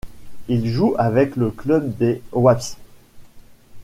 Il joue avec le club des Wasps.